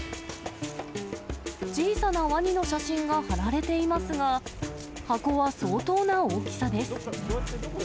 小さなワニの写真が貼られていますが、箱は相当な大きさです。